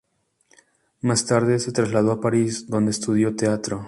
Más tarde se trasladó a París, donde estudió teatro.